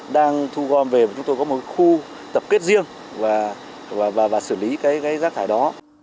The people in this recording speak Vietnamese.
đang thu gom về và chúng tôi có một khu tập kết riêng và xử lý cái rác thải đó